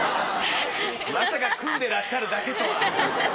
まさか組んでらっしゃるだけとは。